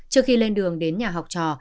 trước khi lên đường đến nhà học trò